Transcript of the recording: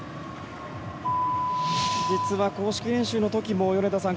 実は、公式練習の時も米田さん